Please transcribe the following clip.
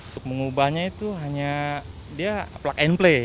untuk mengubahnya itu hanya dia plug and play